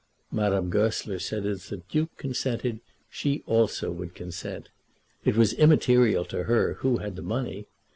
Madame Goesler said that if the Duke consented she also would consent. It was immaterial to her who had the money.